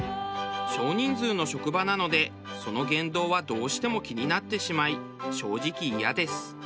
少人数の職場なのでその言動はどうしても気になってしまい正直イヤです。